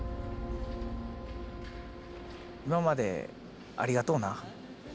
今までありがとうな！